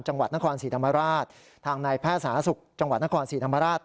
จังหวัดนครศรีธรรมราชทางนายแพทย์สาธารณสุขจังหวัดนครศรีธรรมราช